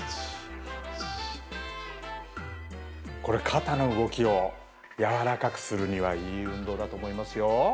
これ肩の動きをやわらかくするにはいい運動だと思いますよ。